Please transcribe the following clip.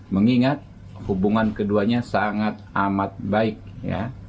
mengingat hubungan keduanya sangat amat baik ya